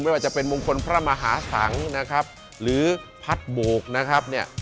ไม่ว่าจะเป็นมงคลพระมหาสังนะครับหรือพัดโบกนะครับเนี่ย